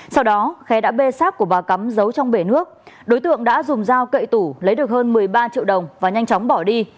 sau đó khé đã bê sát của bà cắm giấu trong bể nước đối tượng đã dùng dao cậy tủ lấy được hơn một mươi ba triệu đồng và nhanh chóng bỏ đi